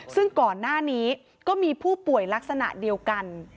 ซึ่งก่อนหน้านี้ก็มีผู้ป่วยลักษณะเดียวกัน